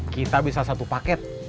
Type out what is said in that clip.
kita bisa satu paket